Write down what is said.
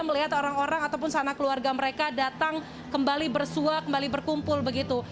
melihat orang orang ataupun sana keluarga mereka datang kembali bersua kembali berkumpul begitu